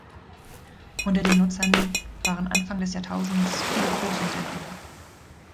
Unter den Nutzern waren Anfang des Jahrtausends viele Großunternehmen.